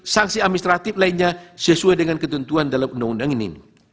seesuaian ketentuan undang undang ini